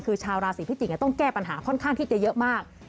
คือชาวราศีพิจิกษ์ต้องแก้ปัญหาค่อนข้างที่จะเยอะมาก